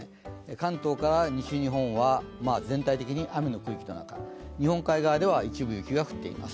関東から西日本は全体的に雨の区域の中、日本海側では一部、雪が降っています。